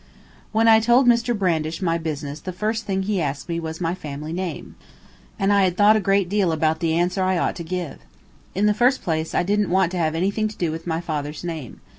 When I told Mr. Brandish my business the first thing he asked me was my family name. Of course I had expected this, and I had thought a great deal about the answer I ought to give. In the first place, I didn't want to have anything to do with my father's name.